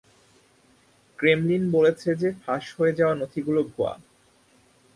Kremlin বলেছে যে ফাঁস হয়ে যাওয়া নথিগুলো ভুয়া।